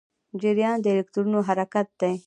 جریان د الکترونونو حرکت دی.